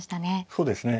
そうですね。